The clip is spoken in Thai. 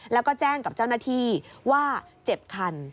แล้วก็แจ้งกับเจ้าหน้าที่ว่าเจ็บคัน